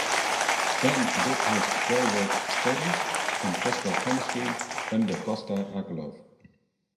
Fenn did his graduate studies in physical chemistry under Gosta Akerlof.